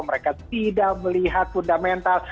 mereka tidak melihat fundamental